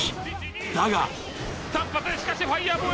だが。